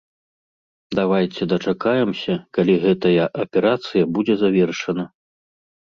Давайце дачакаемся, калі гэтая аперацыя будзе завершана.